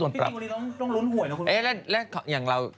บศนพบว่าพี่ตี๊วต้องลุ้นห่วยนะครับเห้ยแล้วอย่างเรา